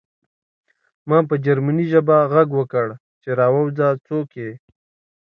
ما په جرمني ژبه غږ وکړ چې راوځه څوک یې